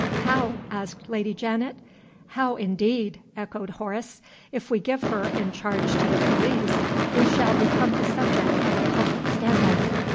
"How?" asked Lady Janet. "How, indeed!" echoed Horace. "If we give her in charge to the police, we shall become the subject of a public scandal."